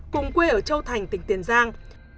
cùng quê ở châu thành tỉnh tiền giang